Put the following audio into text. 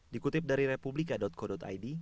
dikutip dari republika co id